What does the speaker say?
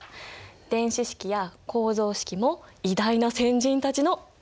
電子式や構造式も偉大な先人たちのアイデア！